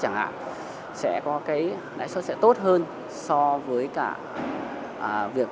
nãi xuất sẽ tốt hơn so với cả việc